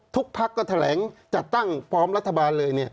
ทุกพักก็แถลงจัดตั้งพร้อมรัฐบาลเลย